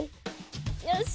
よし！